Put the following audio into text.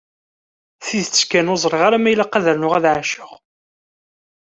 Tidet kan, ur ẓriɣ ma ilaq ad rnuɣ ad ɛaceɣ.